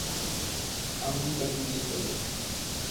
আমিও তো চিন্তিত।